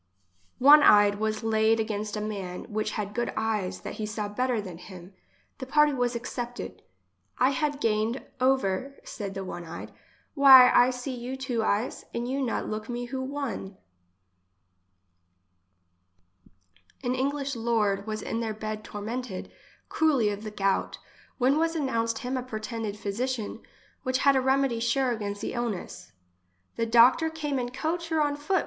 One eyed was laied against a man which had good eyes that he saw better than him. The party was accepted. •* I had gain, over said the one eyed ; why I see you two eyes, and you not look me who one." English as she is spoke. 53 A english lord was in their bed tormented, cruelly of the gout, when was announced him a pretended physician, which had a remedy sure against that illness, " That doctor came in coach or on foot